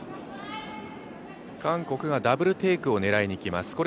韓国がダブルテイクを狙いにいきます。